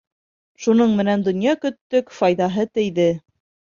Шуның менән донъя көттөк, файҙаһы тейҙе.